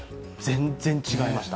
全然違いました。